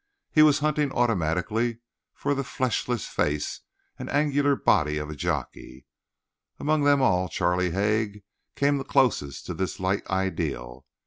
He was hunting automatically for the fleshless face and angular body of a jockey; among them all Charlie Haig came the closest to this light ideal.